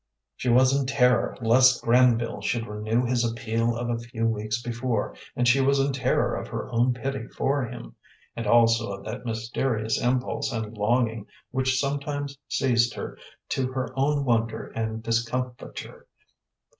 She was in terror lest Granville should renew his appeal of a few weeks before, and she was in terror of her own pity for him, and also of that mysterious impulse and longing which sometimes seized her to her own wonder and discomfiture.